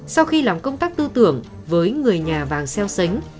sau khi làm công tác tư tưởng với người nhà vàng xeo xánh